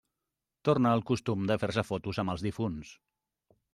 Torna el costum de fer-se fotos amb els difunts.